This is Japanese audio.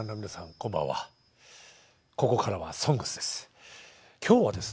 こんばんはここからは「ＳＯＮＧＳ」です。